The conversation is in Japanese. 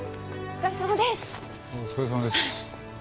お疲れさまです。